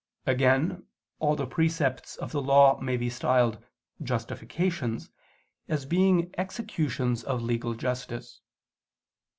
Again all the precepts of the Law may be styled "justifications," as being executions of legal justice.